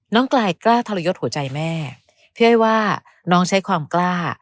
กลายกล้าทรยศหัวใจแม่พี่อ้อยว่าน้องใช้ความกล้า